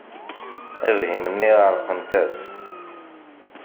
Abhim-nni εerqent-as.